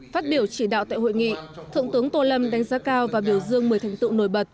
phát biểu chỉ đạo tại hội nghị thượng tướng tô lâm đánh giá cao và biểu dương một mươi thành tựu nổi bật